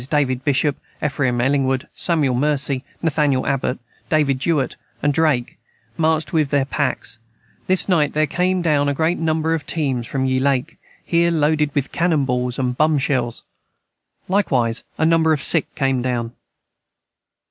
David Bishop Ephraim Ellingwood Samuel Mercey Nathaniel Abbott David Jewet and Drake marched of with their Packs this night their came down a great number of teams from ye Lake here loded with cannon Balls and Bum shells. Likewise a number of sick came down.